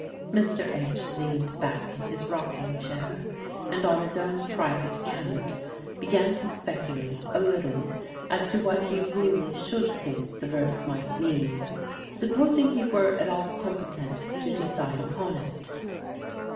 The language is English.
Mr. H. leaned back in his rocking chair, and on his own private account began to speculate a little as to what he really should think the verse might mean, supposing he were at all competent to decide upon it.